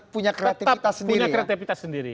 punya kreativitas sendiri tetap punya kreativitas sendiri